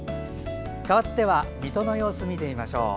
かわっては水戸の様子を見てみましょう。